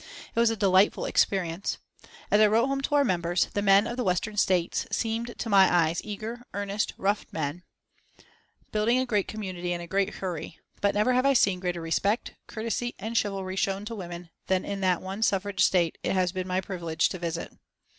It was a delightful experience. As I wrote home to our members, the men of the western States seemed to my eyes eager, earnest, rough men, building a great community in a great hurry, but never have I seen greater respect, courtesy and chivalry shown to women than in that one Suffrage State it has been my privilege to visit.